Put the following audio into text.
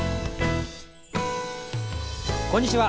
こんにちは。